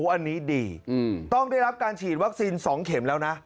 อันนี้ดีต้องได้รับการฉีดวัคซีน๒เข็มแล้วนะ